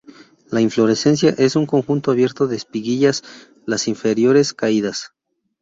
La inflorescencia es un conjunto abierto de espiguillas, las inferiores caídas.